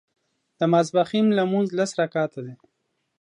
د ماسپښين لمونځ لس رکعته دی